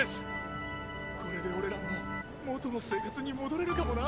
・これで俺らも元の生活に戻れるかもな！